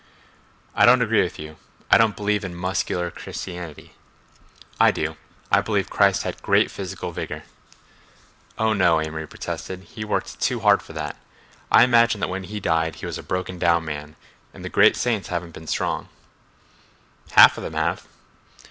"I don't agree with you—I don't believe in 'muscular Christianity.'" "I do—I believe Christ had great physical vigor." "Oh, no," Amory protested. "He worked too hard for that. I imagine that when he died he was a broken down man—and the great saints haven't been strong." "Half of them have."